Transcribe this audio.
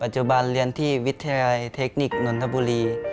จุบันเรียนที่วิทยาลัยเทคนิคนนนทบุรี